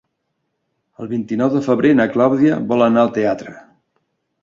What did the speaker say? El vint-i-nou de febrer na Clàudia vol anar al teatre.